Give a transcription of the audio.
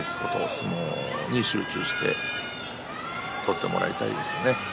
相撲に集中して取ってもらいたいですね。